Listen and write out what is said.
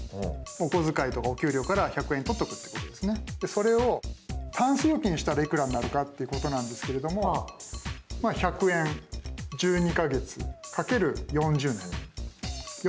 それを「たんす預金」したらいくらになるかっていうことなんですけれども１００円１２か月×４０年４万８，０００円になります。